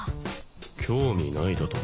興味ないだと？